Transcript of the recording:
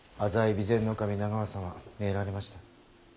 備前守長政様参られました。